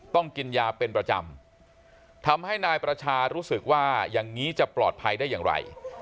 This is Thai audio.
ต้องกินยาเป็นประจำทำให้นายประชารู้สึกว่าอย่างนี้จะปลอดภัยได้อย่างไร